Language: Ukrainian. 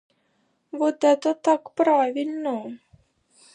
Вот ето так правильно.